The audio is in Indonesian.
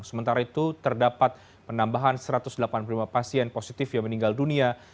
sementara itu terdapat penambahan satu ratus delapan puluh lima pasien positif yang meninggal dunia